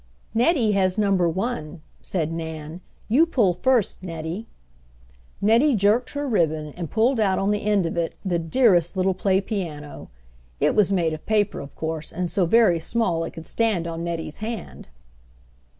"Nettle has number one," said Nan; "you pull first, Nettie." Nettie jerked her ribbon and pulled out on the end of it the dearest little play piano. It was made of paper, of course, and so very small it could stand on Nettie's hand.